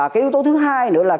cái yếu tố thứ hai nữa là